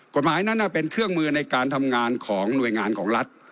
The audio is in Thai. กฎหมายนั้นเป็นเครื่องมือในการทำงานของหน่วยงานของรัฐ